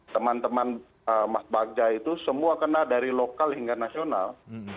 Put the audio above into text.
teman teman mas bagja itu semua kena dari lokal hingga nasional